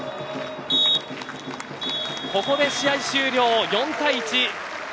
ここで試合終了４対１。